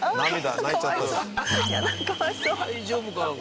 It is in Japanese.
大丈夫かな？